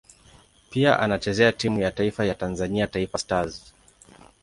Pia anachezea timu ya taifa ya Tanzania Taifa Stars.